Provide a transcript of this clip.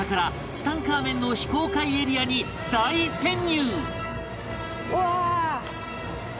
ツタンカーメンの非公開エリアに大潜入！